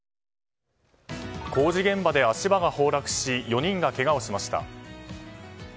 工事現場で足場が崩落し４人がけがをしました。